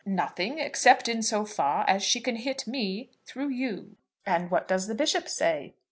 "Nothing, except in so far as she can hit me through you." "And what does the Bishop say?"